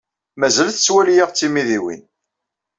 Mazal tettwali-aɣ d timidiwin.